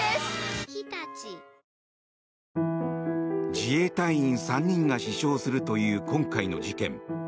自衛隊員３人が死傷するという今回の事件。